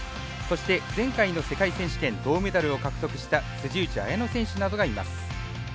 そして前回の世界選手権銅メダルを獲得した内彩野選手などがいます。